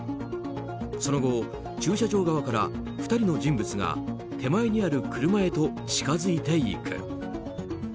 その後、駐車場側から２人の人物が手前にある車へと近づいていく。